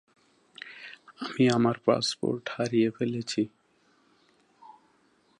আমি আমার পাসপোর্ট হারিয়ে ফেলেছি।